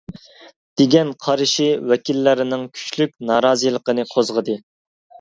دېگەن قارىشى ۋەكىللەرنىڭ كۈچلۈك نارازىلىقىنى قوزغىدى.